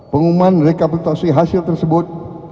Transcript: pengumuman rekapitasi hasil tersebut